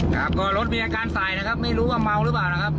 ครับก็รถมีอาการสายนะครับไม่รู้ว่าเมาหรือเปล่านะครับ